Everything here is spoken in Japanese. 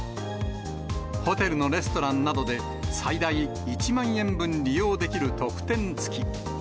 ホテルのレストランなどで、最大１万円分利用できる特典付き。